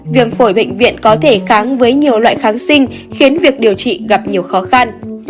viêm phổi bệnh viện có thể kháng với nhiều loại kháng sinh khiến việc điều trị gặp nhiều khó khăn